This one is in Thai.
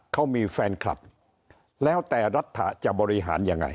เขามีแฟนคลับแล้วแต่รัฐจะบริหารยังไง